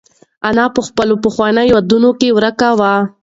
انا په خپلو پخوانیو یادونو کې ورکه وه.